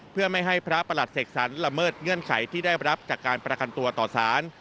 เพื่อไม่ให้พระประหลัดเสกสรรละเมิดเงื่อนไขที่ได้รับจากการประกันตัวต่อสาร